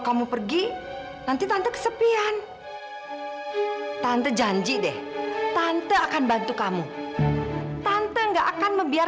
kamu gak boleh bicara sama kamilah